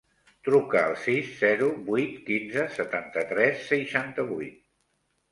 Truca al sis, zero, vuit, quinze, setanta-tres, seixanta-vuit.